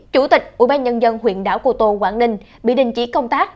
chủ tịch ủy ban nhân dân huyện đảo cô tô quảng ninh bị đình chỉ công tác